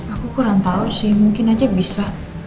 aku kurang tahu sih mungkin aja bisa